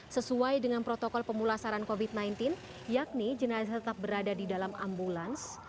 sesuai dengan protokol pemulasaran covid sembilan belas yakni jenazah tetap berada di dalam ambulans